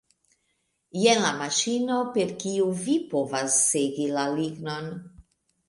Jen la maŝino, per kiu vi povas segi la lignon.